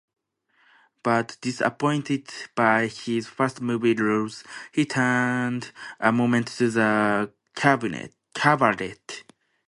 But disappointed by his first movie roles, he turned a moment to the cabaret.